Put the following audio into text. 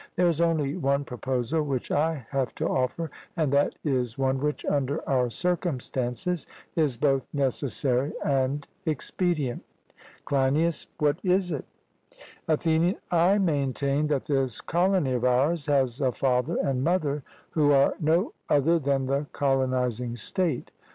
There is only one proposal which I have to offer, and that is one which, under our circumstances, is both necessary and expedient. CLEINIAS: What is it? ATHENIAN: I maintain that this colony of ours has a father and mother, who are no other than the colonizing state.